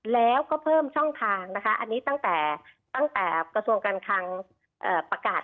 แล้วก็เพิ่มช่องทางอันนี้ตั้งแต่กระทรวงการทางประกาศ